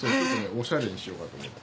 オシャレにしようかと思って。